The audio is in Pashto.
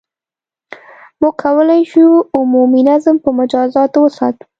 • موږ کولای شو، عمومي نظم په مجازاتو وساتو.